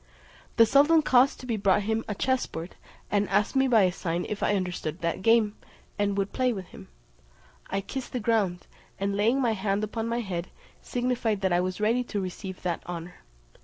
The sultan caused to be brought to him a chessboard, and asked me by a sign if I understood that game, and would play with him? I kissed the ground, and laying my hand upon my head, signified that I was ready to receive that honour.